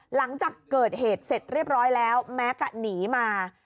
หลังจากเกิดเหตุเสร็จเรียบร้อยแล้วแม็กซ์หนีมา